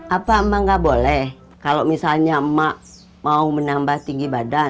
apa mangga boleh kalau misalnya emak mau menambah tinggi badan